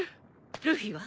ルフィは？